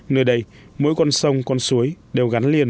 nơi đây mỗi con sông con suối đều gắn liền